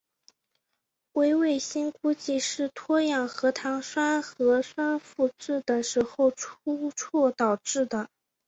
微卫星估计是脱氧核糖核酸复制的时候出错导致的。